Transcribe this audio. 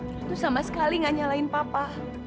ratu sama sekali gak nyalain papa